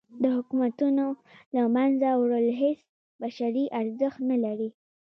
د حکومتونو له منځه وړل هیڅ بشري ارزښت نه لري.